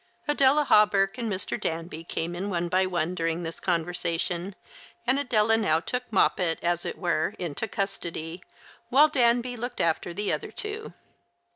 Adela Hawberk and Mr. Danby came in one by one during this conversation, and Adela now took Moppet, as it were, into custody, while Danby looked after the other two.